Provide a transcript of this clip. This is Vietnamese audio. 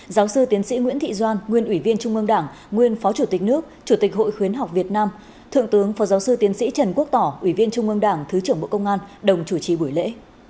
giáo sư tiến sĩ nguyễn thị doan nguyên ủy viên trung ương đảng nguyên phó chủ tịch nước chủ tịch hội khuyến học việt nam thượng tướng phó giáo sư tiến sĩ trần quốc tỏ ủy viên trung ương đảng thứ trưởng bộ công an đồng chủ trì buổi lễ